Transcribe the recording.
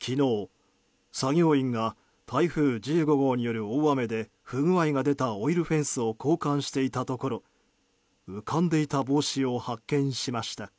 昨日、作業員が台風１５号による大雨で不具合が出たオイルフェンスを交換していたところ浮かんでいた帽子を発見しました。